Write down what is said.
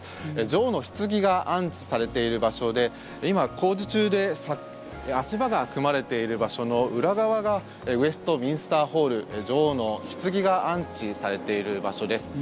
女王のひつぎが安置されている場所で今、工事中で足場が組まれている場所の裏側がウェストミンスターホール女王のひつぎが安置されている場所です。